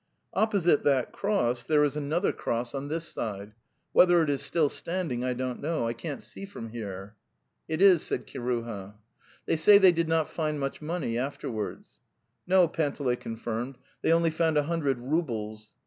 Opposite that cross there is another cross The Steppe 247 on this side. ... Whether it is still standing, I don't know: 320. can't seefcony heresy ey Tt is, sald nical, "They say they did not find much money after wards." '"No," Panteley confirmed; "they only found a hundred roubles."